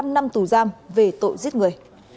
một mươi năm năm tù giam về tội giết người